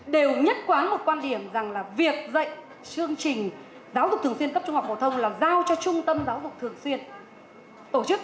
đều nhất quán một quan điểm rằng là việc dạy chương trình giáo dục thường xuyên cấp trung học phổ thông là giao cho trung tâm giáo dục thường xuyên tổ chức